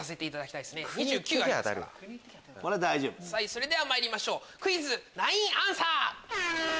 それではまいりましょうクイズナインアンサー！